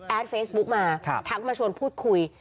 เฟซบุ๊กมาทักมาชวนพูดคุย